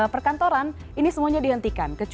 perkantoran ini semuanya dihentikan